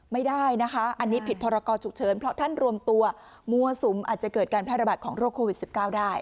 ไม่ได้นะคะอันนี้ผิดพรกรฉุกเฉินเพราะท่านรวมตัวมั่วสุมอาจจะเกิดการแพร่ระบาดของโรคโควิด๑๙ได้